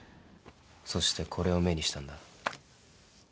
そしてこれを目にしたんだ。